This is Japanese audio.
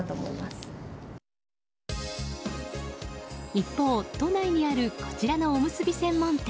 一方、都内にあるこちらのおむすび専門店。